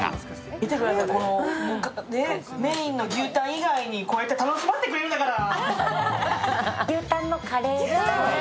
見てください、このメインの牛たん以外にこうやって楽しませてくれるんだから。